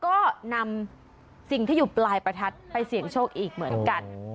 ก็นำสิ่งที่อยู่ปลายประทัดไปเสี่ยงโชคอีกเหมือนกัน